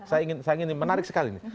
saya ingin menarik sekali nih